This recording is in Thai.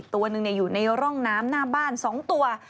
ตัวหนึ่งอยู่ในร่องน้ำหน้าบ้าน๒ตัว